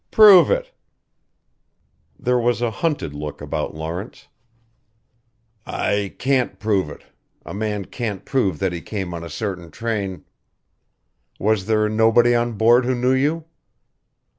"Prove it." There was a hunted look about Lawrence. "I can't prove it a man can't prove that he came on a certain train " "Was there nobody on board who knew you?"